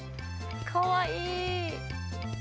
かわいい。